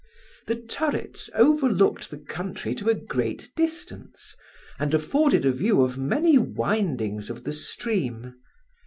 The turrets overlooked the country to a great distance, and afforded a view of many windings of the stream.